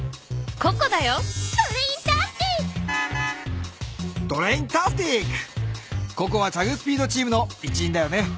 ココはチャグ・スピードチームの一員だよね。